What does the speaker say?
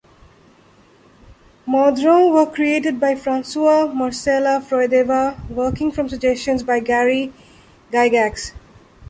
Modrons were created by Francois Marcela-Froideval, working from suggestions by Gary Gygax.